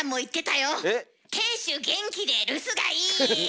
「亭主元気で留守がいい」。